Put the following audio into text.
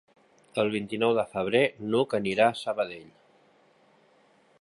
El vint-i-nou de febrer n'Hug anirà a Sabadell.